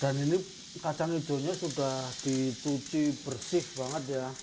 dan ini kacang hijaunya sudah dicuci bersih banget ya